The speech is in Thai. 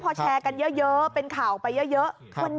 พอแชร์กันเยอะเป็นข่าวไปเยอะ